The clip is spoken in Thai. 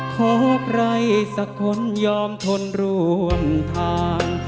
ขอใครสักคนยอมทนร่วมทาง